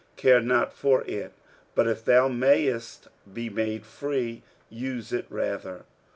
care not for it: but if thou mayest be made free, use it rather.